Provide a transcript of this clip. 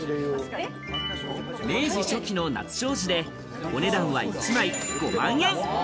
明治初期の夏障子で、お値段は１枚５万円。